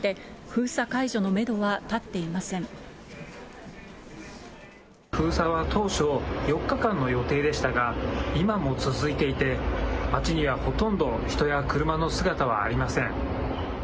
封鎖は当初、４日間の予定でしたが、今も続いていて、街にはほとんど人や車の姿はありません。